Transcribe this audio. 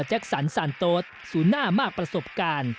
แจ็คสันสันโต๊ตสู่หน้ามากประสบการณ์